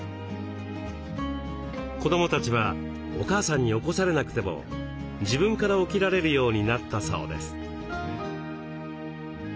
子どもたちはお母さんに起こされなくても自分から起きられるようになったそうです。